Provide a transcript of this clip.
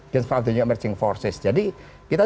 dan selanjutnya emerging forces jadi kita